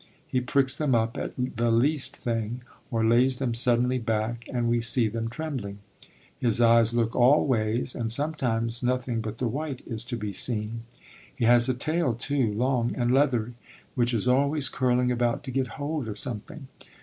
He pricks them up at the least thing; or lays them suddenly back, and we see them trembling. His eyes look all ways and sometimes nothing but the white is to be seen. He has a tail, too, long and leathery, which is always curling about to get hold of something.